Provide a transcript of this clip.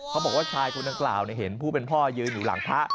เขาบอกว่าชายคนดังกล่าวเห็นผู้เป็นพ่อยืนอยู่หลังพระ